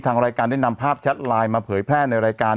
ทางรายการได้นำภาพแชทไลน์มาเผยแพร่ในรายการ